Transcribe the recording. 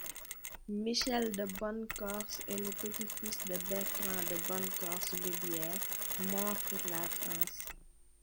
Michel de Bonnecorse est le petit-fils de Bertrand de Bonnecorse-Lubières, mort pour la France.